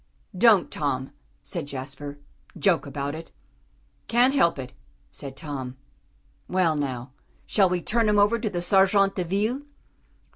"Don't, Tom," said Jasper, "joke about it." "Can't help it," said Tom. "Well, now, shall we turn him over to the _sergents de ville?"